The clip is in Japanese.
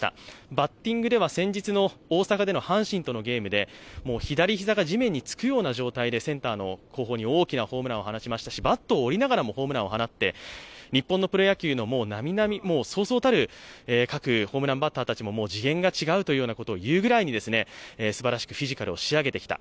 バッティングでは先日の大阪での阪神とのゲームで左膝が地面につくような状態でセンターの方向に大きなホームランを放ちましたし、バットを折りながらもホームランを放って、日本のプロやキューの、そうそうたる各ホームランバッターたちも次元が違うということを言うくらいすばらしくフィジカルを仕上げてきた。